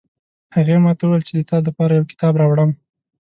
هغې ماته وویل چې د تا د پاره یو کتاب راوړم